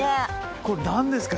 これなんですか？